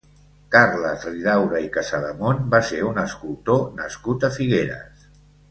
Carles Ridaura i Casademont va ser un escultor nascut a Figueres.